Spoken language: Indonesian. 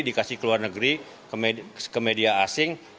dikasih ke luar negeri ke media asing